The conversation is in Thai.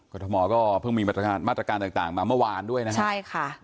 กฎธมก็เพิ่งมีมาตรการต่างมาเมื่อวานด้วยนะครับ